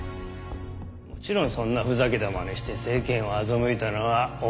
もちろんそんなふざけたまねして世間を欺いたのはお前だ